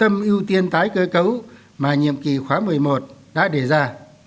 những lĩnh vực tâm ưu tiên tái cư cấu mà nhiệm kỳ khóa một mươi một đã đề ra